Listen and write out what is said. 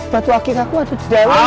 batu akis aku ada di dalam